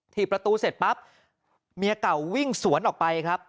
ถีบประตูเสร็จปั๊บเมียเก่าวิ่งสวนออกไปครับ